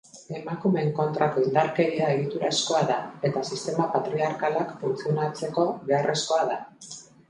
Emakumeen kontrako indarkeria egiturazkoa da eta sistema patriarkalak funtzionatzeko beharrezkoa da.